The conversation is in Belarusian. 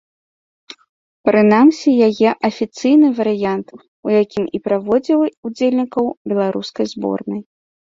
Прынамсі, яе афіцыйны варыянт, у якім і праводзіў удзельнікаў беларускай зборнай.